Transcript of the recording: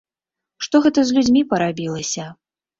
Што гэта з людзьмі парабілася?